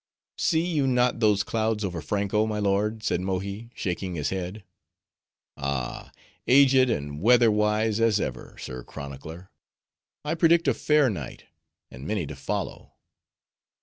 "See you not those clouds over Franko, my lord," said Mohi, shaking his head. "Ah, aged and weather wise as ever, sir chronicler;—I predict a fair night, and many to follow."